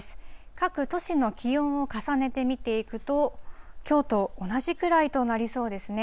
各都市の気温を重ねてみていくと、きょうと同じくらいとなりそうですね。